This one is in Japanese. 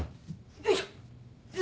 よいしょ。